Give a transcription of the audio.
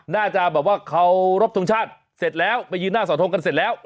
น่าจะแบบว่าเคารพทรงชาติเสร็จแล้วไปยืนหน้าสอทงกันเสร็จแล้ว